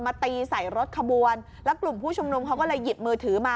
ตีใส่รถขบวนแล้วกลุ่มผู้ชุมนุมเขาก็เลยหยิบมือถือมา